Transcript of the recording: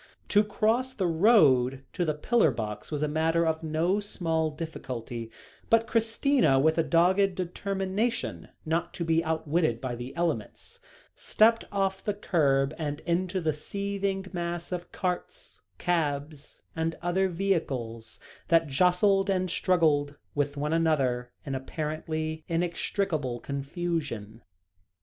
To cross the road to the pillar box was a matter of no small difficulty, but Christina, with a dogged determination not to be outwitted by the elements, stepped off the kerb and into the seething mass of carts, cabs, and other vehicles, that jostled and struggled with one another in apparently inextricable confusion.